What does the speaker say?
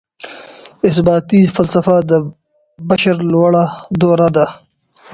اثباتي فلسفه د بشر لوړه دوره ده.